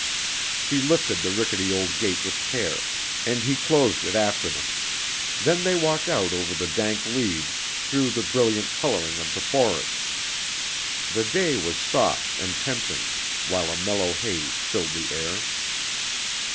She lifted the rickety old gate with care, and he closed it after them; then they walked out over the dank leaves, through the brilliant coloring of the forest. The day was soft and tempting, while a mellow haze filled the air.